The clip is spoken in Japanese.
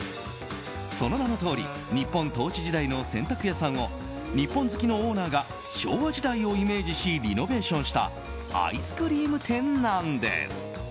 その名のとおり日本統治時代の洗濯屋さんを日本好きのオーナーが昭和時代をイメージしリノベーションしたアイスクリーム店なんです。